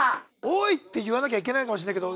「おい！」って言わなきゃいけないかもしれないけど。